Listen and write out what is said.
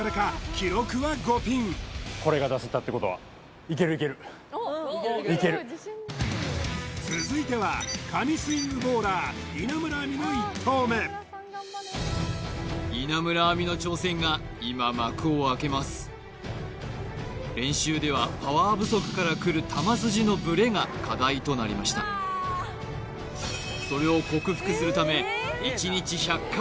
記録は５ピン続いては神スイングボウラー稲村亜美の１投目稲村亜美の挑戦が今幕を開けます練習ではパワー不足からくる球筋のブレが課題となりましたそれを克服するため１日１００回